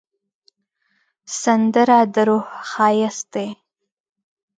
سندره د روح ښایست دی